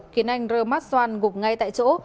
khiến anh rơ mát doan gục ngay tại chỗ